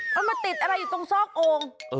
มันมาติดอะไรอยู่ตรงซอกโอ่ง